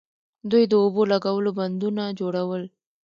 دوی د اوبو لګولو بندونه جوړول